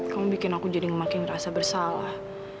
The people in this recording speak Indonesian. kamu bikin aku jadi makin merasa bersalah